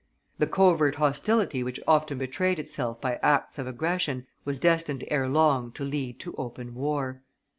The covert hostility which often betrayed itself by acts of aggression was destined ere long to lead to open war.